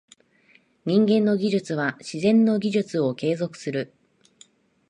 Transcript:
人間の技術は自然の技術を継続する。